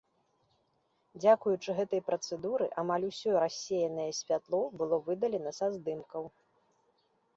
Дзякуючы гэтай працэдуры, амаль усё рассеянае святло было выдалена са здымкаў.